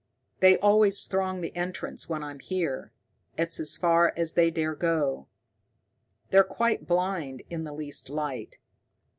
"They always throng the entrance when I'm here. It's as far as they dare go. They're quite blind in the least light.